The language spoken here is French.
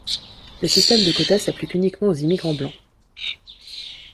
Le système de quotas s'applique uniquement aux immigrants blancs.